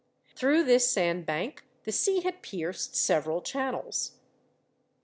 Through this sandbank the sea had pierced several channels.